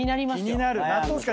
気になる。